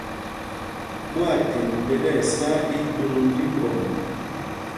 Ɓwâthɛmb ɓɛ tíɛsá ídôŋ tí ŋgɔn.